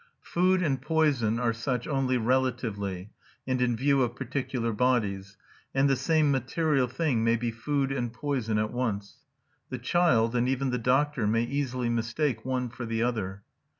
Food and poison are such only relatively, and in view of particular bodies, and the same material thing may be food and poison at once; the child, and even the doctor, may easily mistake one for the other.